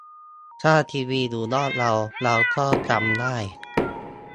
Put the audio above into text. ถ้าทีวีอยู่รอบเรา เราก็จำได้